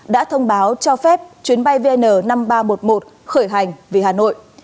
đã thông báo cho phép chuyến bay vn năm nghìn ba trăm một mươi một khởi hành vì hà nội